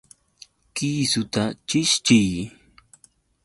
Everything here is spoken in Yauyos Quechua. ¡Kisuta chishchiy!